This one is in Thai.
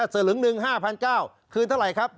สลึงหนึ่ง๕๙๐๐คืนเท่าไหร่ครับ